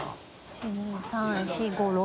１２３４５６？